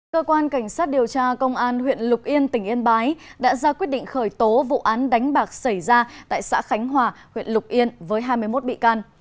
cơ quan cảnh sát điều tra công an huyện lục yên tỉnh yên bái đã ra quyết định khởi tố vụ án đánh bạc xảy ra tại xã khánh hòa huyện lục yên với hai mươi một bị can